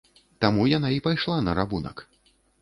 Таму яна і пайшла на рабунак.